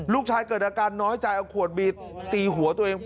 เกิดอาการน้อยใจเอาขวดบีตีหัวตัวเอง